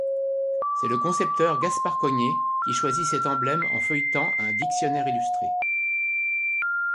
C'est le concepteur Gaspard Cognet qui choisit cet emblème en feuilletant un dictionnaire illustré.